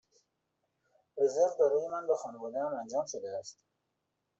رزرو برای من و خانواده ام انجام شده است.